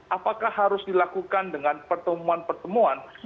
apakah harus dilakukan dengan pertemuan pertemuan